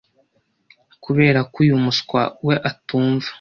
kuberako uyu muswa we atumva